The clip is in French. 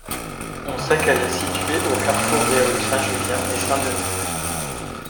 On sait qu’elle est située au carrefour des rues Saint-Julien et Saint-Denis.